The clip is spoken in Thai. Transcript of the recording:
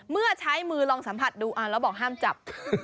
เมื่อใช้มือลองสัมผัสดูแล้วบอกห้ามจับ